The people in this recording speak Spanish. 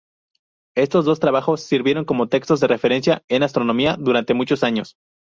Estos dos trabajos sirvieron como textos de referencia en astronomía durante muchos años.